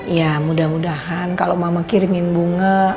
ya mudah mudahan kalau mama kirimin bunga